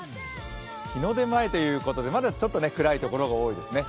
日の出前ということで、まだちょっと暗いところが多いですね。